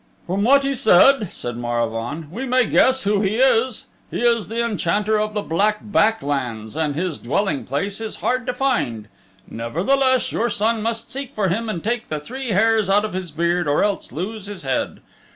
"From what he said," said Maravaun, "we may guess who he is. He is the Enchanter of the Black Back Lands and his dwelling place is hard to find. Nevertheless your son must seek for him and take the three hairs out of his beard or else lose his head.